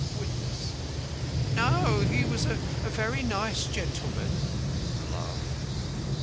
WITNESS: No, he was a very nice gentleman. (A laugh.)